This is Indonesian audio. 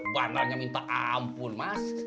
bapaknya minta ampun mas